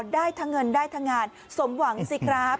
ได้ทั้งเงินได้ทั้งงานสมหวังสิครับ